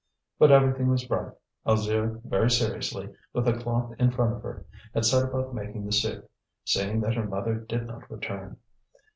But everything was bright. Alzire, very seriously, with a cloth in front of her, had set about making the soup, seeing that her mother did not return.